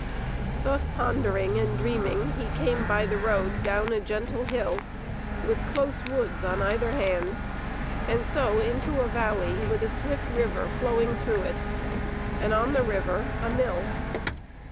Thus pondering and dreaming he came by the road down a gentle hill with close woods on either hand; and so into a valley with a swift river flowing through it; and on the river a Mill.